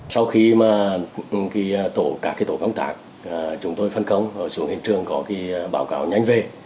sau khi tổ các tổ công tác chúng tôi phân công xuống hiện trường có báo cáo nhanh về